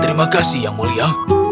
terima kasih yang mulia